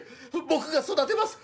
僕が育てます。